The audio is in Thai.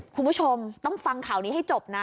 คุณผู้ชมต้องฟังข่าวนี้ให้จบนะ